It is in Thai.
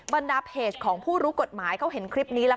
บรรดาเพจของผู้รู้กฎหมายเขาเห็นคลิปนี้